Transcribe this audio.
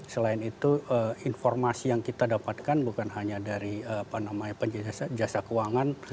selain itu informasi yang kita dapatkan bukan hanya dari apa namanya penjajah jasa keuangan